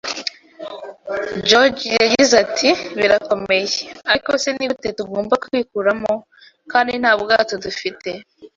George yagize ati: “Birakomeye. “Ariko se ni gute tugomba kwikuramo, kandi nta bwato dufite.”